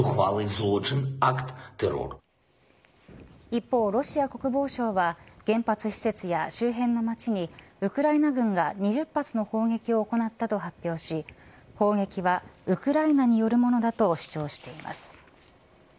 一方ロシア国防省は原発施設や周辺の町にウクライナ軍が２０発の砲撃を行ったと発表し砲撃はウクライナによるものだと主張しています。